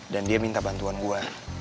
dan dia minta bantuan gue